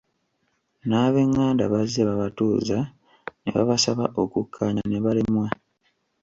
N'abenganda bazze babatuuza ne babasaba okukkaanya ne balemwa.